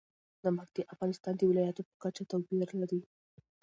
نمک د افغانستان د ولایاتو په کچه توپیر لري.